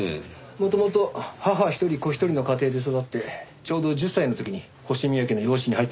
元々母一人子一人の家庭で育ってちょうど１０歳の時に星宮家の養子に入ったみたいですよ。